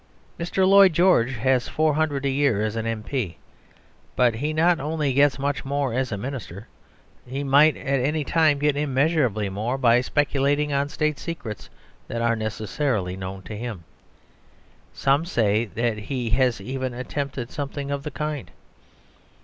Mr. Lloyd George has four hundred a year as an M. P.; but he not only gets much more as a Minister, but he might at any time get immeasurably more by speculating on State secrets that are necessarily known to him. Some say that he has even attempted something of the kind.